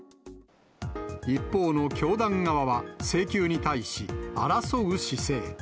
一方の教団側は、請求に対し争う姿勢。